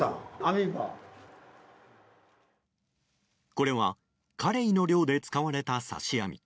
これはカレイの漁で使われた刺し網。